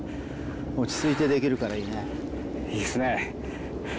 落ち着いてできるからいいねいいっすね